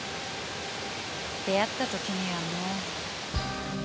出会った時にはもう。